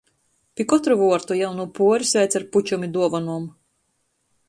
Pi kotru vuortu jaunū puori sveic ar pučem i duovonom.